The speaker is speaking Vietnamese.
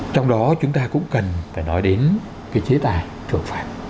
trong đó chúng ta cũng cần phải nói đến cái chế tài xử phạt